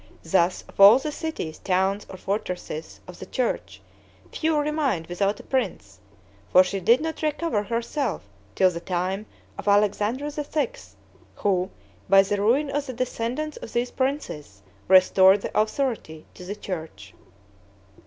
Thus, of all the cities, towns, or fortresses of the church, few remained without a prince; for she did not recover herself till the time of Alexander VI., who, by the ruin of the descendants of these princes, restored the authority of the church.